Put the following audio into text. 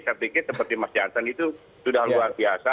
saya pikir seperti mas jansen itu sudah luar biasa